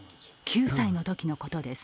９歳のときのことです。